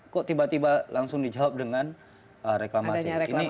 kok tiba tiba langsung dijawab dengan reklamasi